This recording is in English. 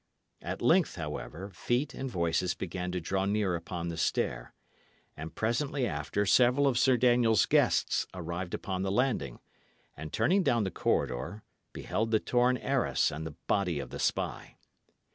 At length, however, feet and voices began to draw near upon the stair; and presently after several of Sir Daniel's guests arrived upon the landing, and, turning down the corridor, beheld the torn arras and the body of the spy.